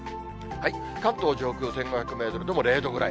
関東上空１５００メートルでも０度ぐらい。